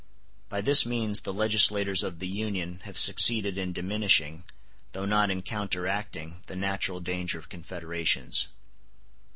By this means the legislators of the Union have succeeded in diminishing, though not in counteracting the natural danger of confederations.